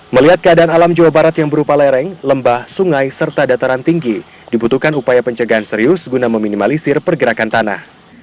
melihat keadaan alam jawa barat yang berupa lereng lembah sungai serta dataran tinggi dibutuhkan upaya pencegahan serius guna meminimalisir pergerakan tanah